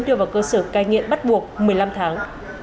đưa vào cơ sở cai nghiện bắt buộc một mươi năm tháng